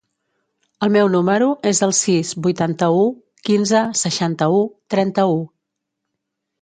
El meu número es el sis, vuitanta-u, quinze, seixanta-u, trenta-u.